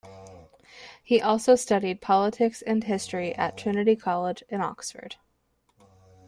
He also studied Politics and History at Trinity College in Oxford.